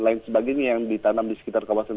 dan lain sebagainya yang ditanam di sekitar kawasan ini